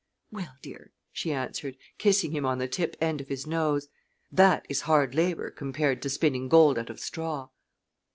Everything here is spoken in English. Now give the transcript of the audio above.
"Well, dear," she answered, kissing him on the tip end of his nose, "that is hard labor compared to spinning gold out of straw."